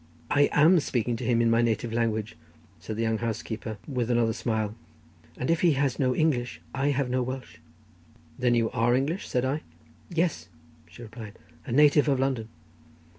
"I am speaking to him in my native language," said the young housekeeper, with another smile; "and if he has no English, I have no Welsh." "Then you are English?" said I. "Yes," she replied, "a native of London."